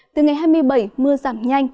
từ ngày hai mươi bảy mưa giảm nhanh